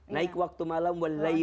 naik waktu malam